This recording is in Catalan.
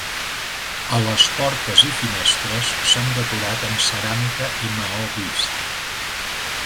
A les portes i finestres s'han decorat amb ceràmica i maó vist.